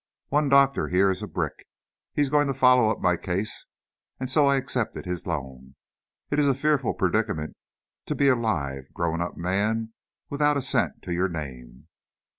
One doctor here is a brick! He's going to follow up my 'case,' and so I accepted his loan. It's a fearful predicament to be a live, grown up man, without a cent to your name!"